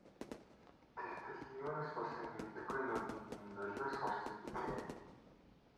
Тэгтэл юунаас болсныг мэдэхгүй нүдэнд нь нулимс хурсан билээ.